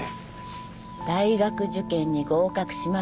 「大学受験に合格しますように」